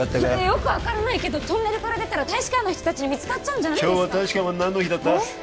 よく分からないけどトンネルから出たら大使館の人たちに見つかっちゃうんじゃ今日は大使館は何の日だった？えっ？